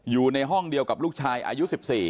อยู่ในห้องเดียวกับลูกชายอายุ๑๔